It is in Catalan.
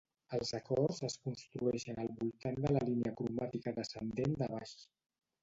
Els acords es construeixen al voltant de la línia cromàtica descendent de baix.